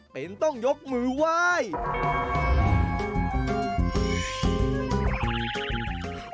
เป็นต้องยกมือไหว้